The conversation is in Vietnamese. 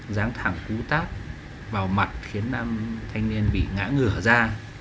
dán thẳng cú tát vào mặt khiến nam thanh niên bị ngã ngửa ra